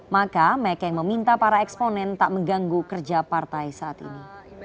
maka mekeng meminta para eksponen tak mengganggu kerja partai saat ini